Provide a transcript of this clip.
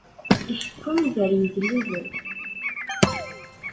Iḥkem gar yigelliden.